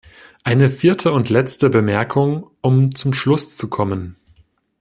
Eine vierte und letzte Bemerkung, um zum Schluss zu kommen.